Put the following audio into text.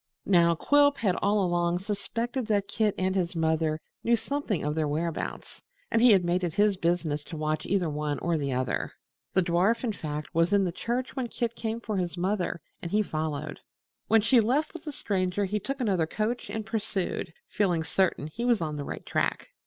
Now Quilp had all along suspected that Kit and his mother knew something of their whereabouts, and he had made it his business to watch either one or the other. The dwarf, in fact, was in the church when Kit came for his mother, and he followed. When she left with the Stranger he took another coach and pursued, feeling certain he was on the right track.